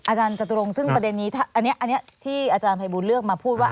อาจารย์จตุรงซึ่งประเด็นนี้ที่อาจารย์พระบูรณ์เลือกมาพูดว่า